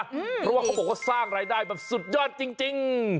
เพราะว่าเขาบอกว่าสร้างรายได้แบบสุดยอดจริง